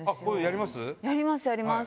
やりますやります。